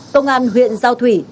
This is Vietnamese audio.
tông an huyện giao thủy